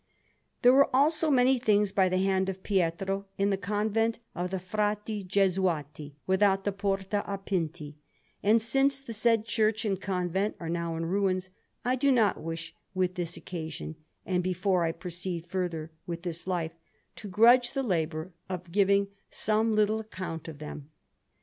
There were also many things by the hand of Pietro in the Convent of the Frati Gesuati, without the Porta a Pinti; and since the said church and convent are now in ruins, I do not wish, with this occasion, and before I proceed further with this Life, to grudge the labour of giving some little account of them.